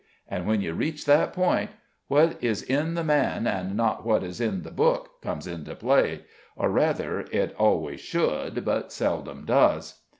And when you reach that point, what is in the man and not what is in the book comes into play; or, rather, it always should but seldom does."